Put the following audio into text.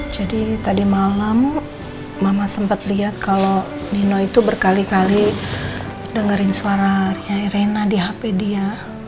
jadi tadi malam mama sempat liat kalo nino itu berkali kali dengerin suara rena di hp dia